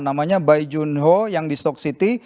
namanya bai junho yang di stock city